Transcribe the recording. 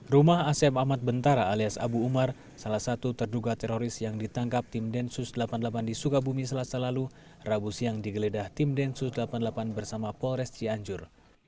rumah asem ahmad bentara alias abu umar salah satu terduga teroris yang ditangkap tim densus delapan puluh delapan di sukabumi selasa lalu rabu siang digeledah tim densus delapan puluh delapan bersama polres cianjur